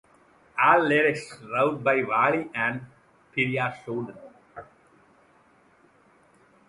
All Lyrics wrote by Vaali and Piraisoodan.